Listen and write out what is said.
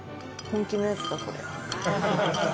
本気なやつだ、これ。